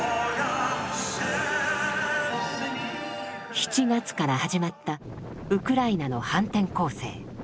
７月から始まったウクライナの反転攻勢。